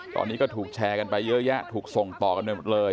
ตอนนี้ก็ถูกแชร์กันไปเยอะแยะถูกส่งต่อกันไปหมดเลย